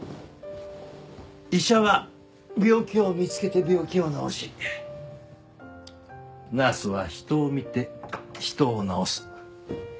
医者は病気を見つけて病気を治しナースは人を見て人を治す。